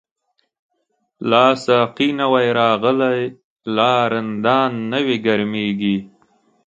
لا ساقی نوی راغلی، لا رندان نوی گرمیږی